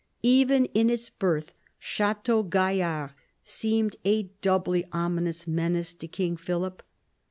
Even in its birth Chateau Gaillard seemed a doubly ominous menace to King Philip.